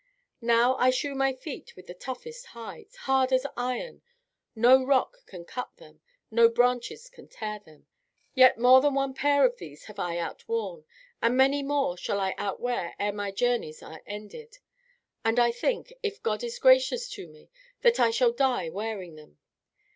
Now I shoe my feet with the toughest hides, hard as iron; no rock can cut them, no branches can tear them. Yet more than one pair of these have I outworn, and many more shall I outwear ere my journeys are ended. And I think, if God is gracious to me, that I shall die wearing them.